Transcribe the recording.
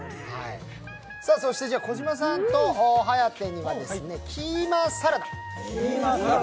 児嶋さんと颯にはキーマサラダ